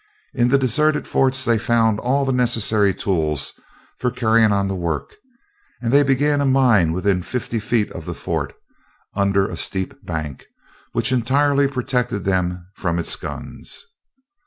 In the deserted forts they found all the necessary tools for carrying on the work, and they began a mine within fifty feet of the fort, under a steep bank, which entirely protected them from its guns.